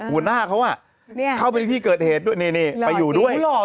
หัวหน้าเขาเข้าไปที่เกิดเหตุด้วยนี่ไปอยู่ด้วย